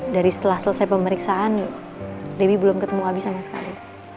dari setelah selesai pemeriksaan debbie belum ketemu abi sama sekali